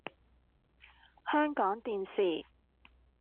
香港電視